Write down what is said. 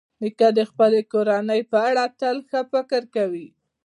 نیکه د خپلې کورنۍ په اړه تل ښه فکر کوي.